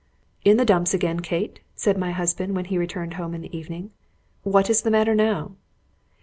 "In the dumps again, Kate?" said my husband, when he returned home in the evening. "What is the matter now?"